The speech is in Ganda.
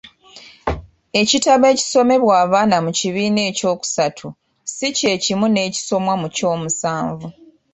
Ekitabo ekisomebwa abaana mu kibiina ekyokusatu si kyekimu n'ekisomwa mu kyomusanvu.